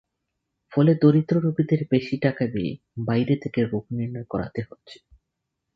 ফলে দরিদ্র রোগীদের বেশি টাকা ব্যয়ে বাইরে থেকে রোগ নির্ণয় করাতে হচ্ছে।